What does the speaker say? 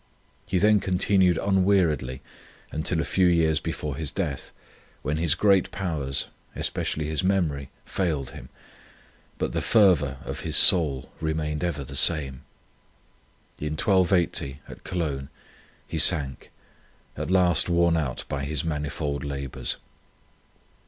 He then con tinued unweariedly until a few years before his death, when his great powers, especially his memory, failed him, but the fervour of his soul remained ever the same. In 1280, at Cologne, he sank, at last worn out by his manifold labours.